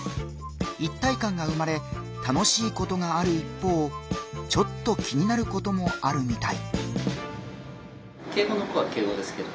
一体感が生まれ楽しいことがある一方ちょっと気になることもあるみたい。